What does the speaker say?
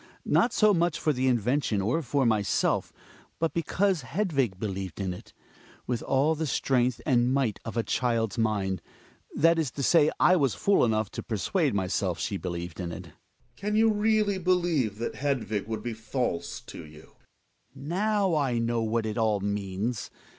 Not so much for the invention or for myself, but because Hedvig believed in it — with all the strength and might of a child's mind. That is to say I was fool enough to persuade myself she believed in it. /. Gregers. Can you really believe that Hedvig would r' vv be false to you ?'^.' Hjalmar. Now I know what it all means.